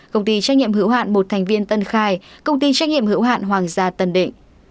công ty trách nhiệm hữu hạn một thành viên tân khai công ty trách nhiệm hữu hạn hoàng gia tân định